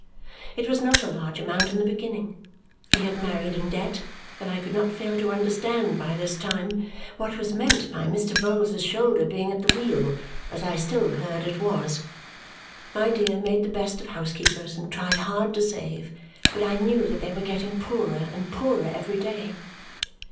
It was not a large amount in the beginning, he had married in debt, and I could not fail to understand, by this time, what was meant by Mr. Vholes's shoulder being at the wheel as I still heard it was. My dear made the best of housekeepers and tried hard to save, but I knew that they were getting poorer and poorer every day.